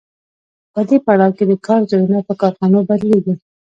په دې پړاو کې د کار ځایونه په کارخانو بدلېږي